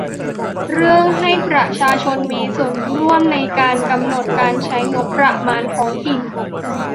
เรื่องให้ประชาชนมีส่วนร่วมในการกำหนดการใช้งบประมาณท้องถิ่น